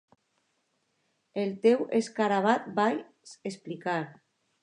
"El teu escarabat", vaig explicar.